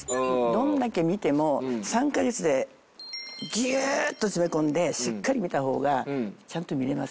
どんだけ見ても３カ月でぎゅっと詰め込んでしっかり見た方がちゃんと見れます。